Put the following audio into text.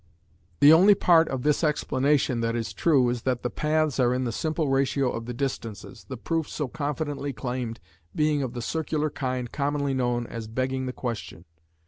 The only part of this "explanation" that is true is that the paths are in the simple ratio of the distances, the "proof" so confidently claimed being of the circular kind commonly known as "begging the question".